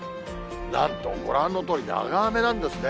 なんとご覧のとおり、長雨なんですね。